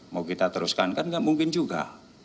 mau kita teruskan kan nggak mungkin juga